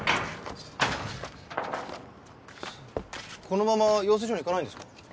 このまま養成所に行かないんですか？